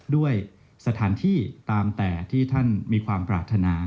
ด้วยสถานที่ตามแต่ที่ท่านมีความปรารถนา